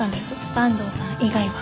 坂東さん以外は。